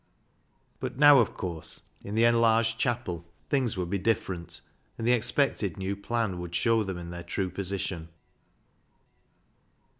But now, of THE STUDENT 15 course, in the enlarged chapel, things would be different, and the expected new plan would show them in their true position.